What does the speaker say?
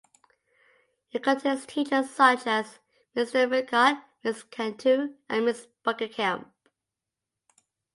It contains teachers such as Mr. Fidcardt, Ms. Cantu and Ms. Bukenkamp.